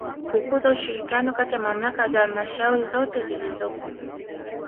Kukuza ushirikiano kati ya Mamlaka za Halmashauri zote zilizopo